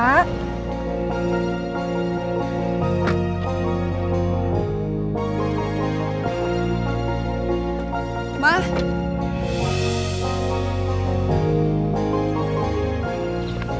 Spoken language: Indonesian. terima kasih pak